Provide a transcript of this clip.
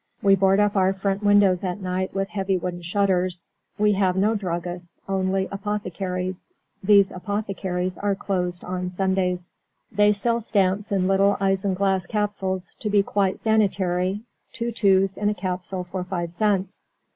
We board up our front windows at night with heavy wooden shutters. We have no druggists, only "apothecaries." These apothecaries are closed on Sundays. They sell stamps in little isinglass capsules, to be quite sanitary, two twos in a capsule for five cents.